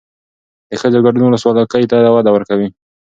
د ښځو ګډون ولسواکۍ ته وده ورکوي.